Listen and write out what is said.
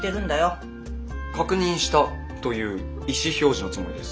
確認したという意思表示のつもりです。